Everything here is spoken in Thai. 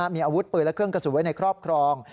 มีอาวุธปืนและเครื่องกระสุนไว้ในครอบครอง